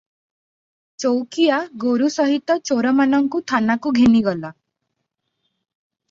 ଚୌକିଆ ଗୋରୁ ସହିତ ଚୋରମାନଙ୍କୁ ଥାନାକୁ ଘେନିଗଲା ।